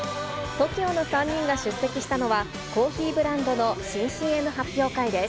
ＴＯＫＩＯの３人が出席したのは、コーヒーブランドの新ＣＭ発表会です。